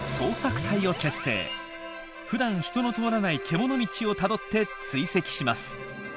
ふだん人の通らないけもの道をたどって追跡します。